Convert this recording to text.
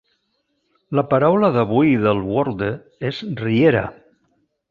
La paraula d'avui del Worlde és "riera".